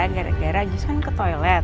gara gara jus kan ke toilet